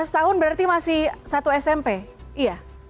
lima belas tahun berarti masih satu smp iya